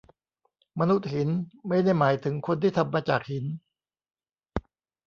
มนุษย์หิน ไม่ได้หมายถึงคนที่ทำมาจากหิน